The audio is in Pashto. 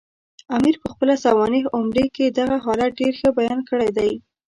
امیر پخپله سوانح عمري کې دغه حالت ډېر ښه بیان کړی دی.